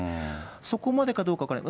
そこまでかどうか分からない。